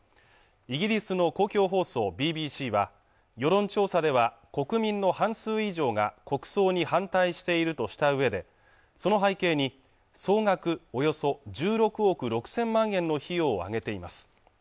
イギリスの公共放送ＢＢＣは世論調査では国民の半数以上が国葬に反対しているとしたうえでその背景に総額およそ１６億６０００万円の費用を上げています